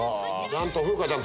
風花ちゃん